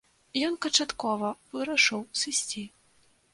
Ён канчаткова вырашыў сысці.